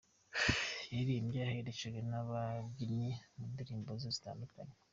Yaririmbye aherekejwe n’ababyinnyi mu ndirimbo ze zitandukanye.